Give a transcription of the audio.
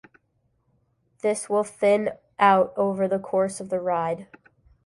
This will thin out over the course of the ride.